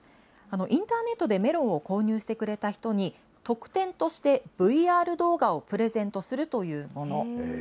インターネットでメロンを購入してくれた人に、特典としてＶＲ動画をプレゼントするというもの。